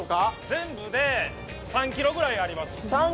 全部で３ｋｍくらいあります。